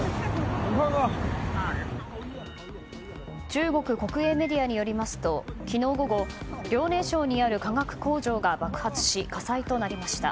中国国営メディアによりますと昨日午後遼寧省にある化学工場が爆発し火災となりました。